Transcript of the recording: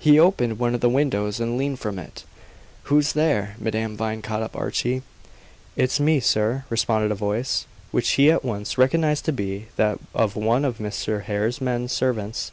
He opened one of the windows and leaned from it. "Who's there?" Madame Vine caught up Archie. "It's me, sir," responded a voice, which he at once recognized to be that of one of Mr. Hare's men servants.